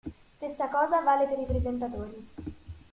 Stessa cosa vale per i presentatori.